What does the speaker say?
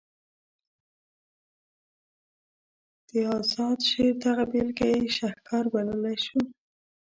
د اذاد شعر دغه بیلګه یې شهکار بللی شو.